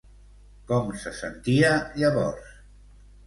Com se sentia llavors?